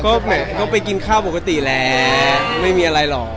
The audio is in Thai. ก็เหมือนก็ไปกินข้าวปกติแหละไม่มีอะไรหรอก